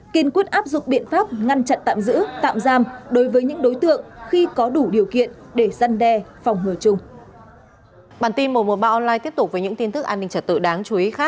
kiên quyết áp dụng biện pháp ngăn chặn tạm giữ tạm giam đối với những đối tượng khi có đủ điều kiện để gian đe phòng ngừa chung